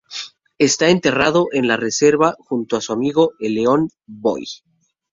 Está enterrado en la reserva, junto a su amigo el león "Boy".